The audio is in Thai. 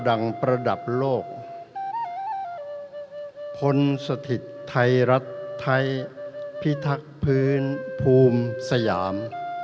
ประดับโลกพลสถิตไทยรัฐไทยพิทักษ์พื้นภูมิสยาม